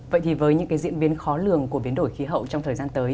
vậy thì với những cái diễn biến khó lường của biến đổi khí hậu trong thời gian tới